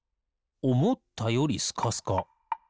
おもったよりスカスカ。